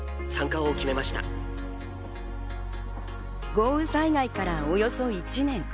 豪雨災害からおよそ１年。